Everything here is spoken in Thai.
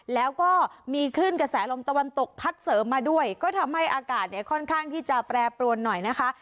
แล้วก็มีคลื่นกระแสลมตะวันตกพัดเสริมมาด้วยก็ทำให้อากาศเนี่ยค่อนข้างที่จะแปรปรวนหน่อยนะคะ